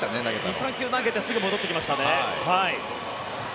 ２３球投げてすぐ戻ってきましたね。